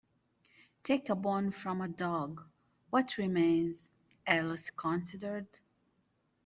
‘Take a bone from a dog: what remains?’ Alice considered.